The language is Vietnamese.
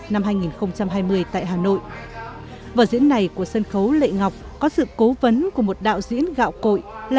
năm hai nghìn hai mươi tại hà nội vở diễn này của sân khấu lệ ngọc có sự cố vấn của một đạo diễn gạo cội là